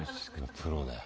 プロだよ。